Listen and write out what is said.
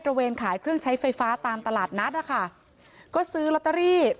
เวนขายเครื่องใช้ไฟฟ้าตามตลาดนัดนะคะก็ซื้อลอตเตอรี่